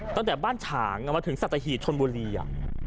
ตั้งแต่บ้านฉางมาถึงสัตหีบชนบุรีอ่ะ